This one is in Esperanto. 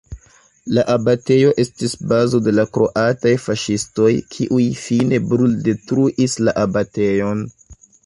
La abatejo estis bazo de la kroataj faŝistoj, kiuj fine bruldetruis la abatejon.